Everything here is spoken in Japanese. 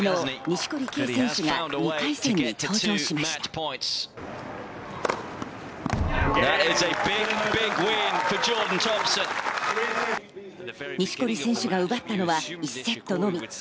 錦織選手が奪ったのは１セットのみ。